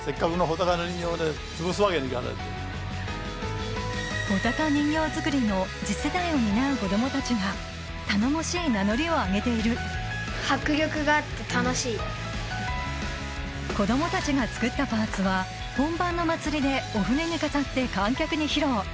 穂高人形作りの次世代を担う子供たちが頼もしい名乗りを上げている子供たちが作ったパーツは本番の祭りで御船に飾って観客に披露